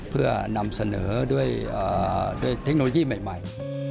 เพื่อนำเสนอด้วยเทคโนโลยีใหม่